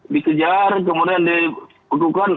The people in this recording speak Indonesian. dikejar kemudian dihutukan